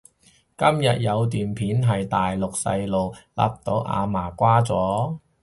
今日有段片係大陸細路勒到阿嫲瓜咗？